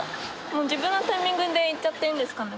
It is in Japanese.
もう自分のタイミングで行っちゃっていいんですかね。